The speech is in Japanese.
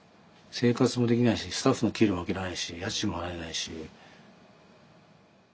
生活もできないしスタッフの給料あげられないし家賃も払えないし。